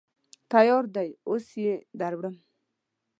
_تيار دی، اوس يې دروړم.